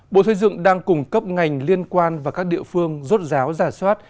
bộ xây dựng đang cung cấp ngành liên quan và các địa phương rốt ráo giả soát